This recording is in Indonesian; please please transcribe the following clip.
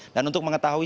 dan untuk mengetahui